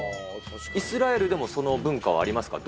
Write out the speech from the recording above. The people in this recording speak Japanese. イスラエルでもその文化はありますか？